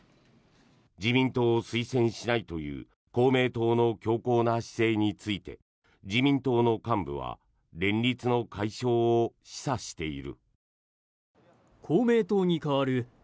自民党を推薦しないという公明党の強硬な姿勢について自民党の幹部は連立の解消を示唆している。